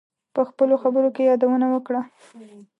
په خپلو خبرو کې یادونه وکړه.